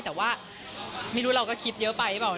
แต่ว่าไม่รู้เราก็คิดเยอะไปหรือเปล่า